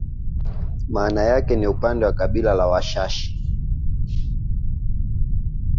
Maana yake ni upande wa kabila la Washashi